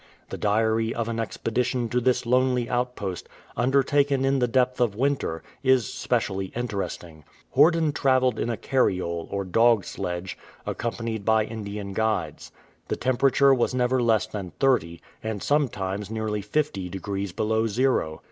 The diary of an expedition to this lonely outpost, undertaken in the depth of winter, is specially interesting. Horden travelled in a cariole, or dog sledge, accompanied by Indian guides. The temperature was never less than thirty, and sometimes nearly fifty degrees below zero.